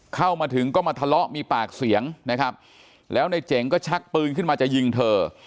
เข้ามาถึงก็มาทะเลาะมีปากเสียงนะครับแล้วในเจ๋งก็ชักปืนขึ้นมาจะยิงเธอ